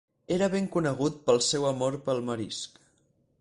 Era ben conegut pel seu amor pel marisc.